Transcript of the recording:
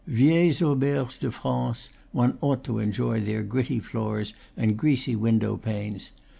Vieilles auberges de France, one ought to enjoy their gritty floors and greasy window panes.